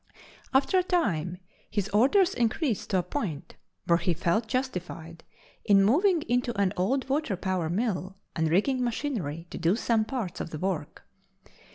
After a time, his orders increased to a point where he felt justified in moving into an old water power mill and rigging machinery to do some parts of the work.